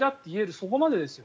そこまでですよ。